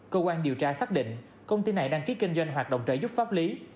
cơ quan điều tra xác định công ty này đăng ký kinh doanh hoạt động trợ giúp pháp lý